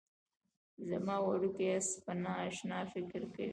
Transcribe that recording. زما وړوکی اس به نا اشنا فکر کوي